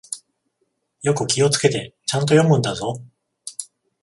よく気をつけて、ちゃんと読むんだぞ。